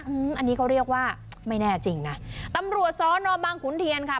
อืมอันนี้เขาเรียกว่าไม่แน่จริงนะตำรวจสอนอบางขุนเทียนค่ะ